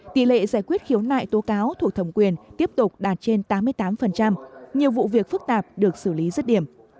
tỷ lệ giải quyết khiếu nại tố cáo thuộc thẩm quyền tiếp tục đạt trên tám mươi tám nhiều vụ việc phức tạp được xử lý rất điểm